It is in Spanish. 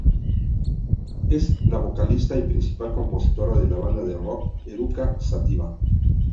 Es la vocalista y principal compositora de la banda de rock Eruca Sativa.